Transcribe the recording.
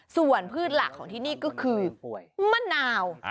ส่วนพืชหลักของที่นี่ก็คือมะนาว